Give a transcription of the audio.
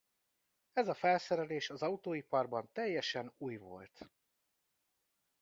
Ez a felszerelés az autóiparban teljesen új volt.